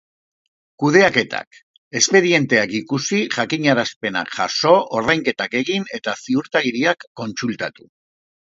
Kudeaketak: Espedienteak ikusi, jakinarazpenak jaso, ordainketak egin eta ziurtagiriak kontsultatu